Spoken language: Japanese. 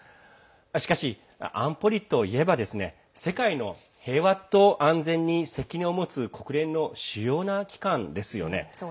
しかし、安保理といえば世界の平和と安全に責任を持つ国連の主要な機関ですよね。